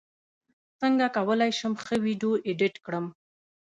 څنګه کولی شم ښه ویډیو ایډیټ کړم